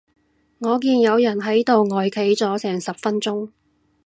我見有人喺度呆企咗成十分鐘